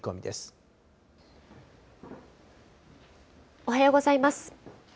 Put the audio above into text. おはようございます。